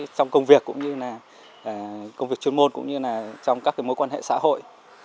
trong suy nghĩ